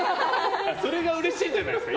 それがうれしいんじゃないですか？